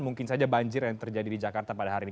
mungkin saja banjir yang terjadi di jakarta pada hari ini